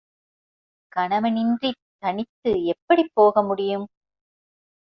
கணவன் இன்றித் தனித்து எப்படிப் போக முடியும்?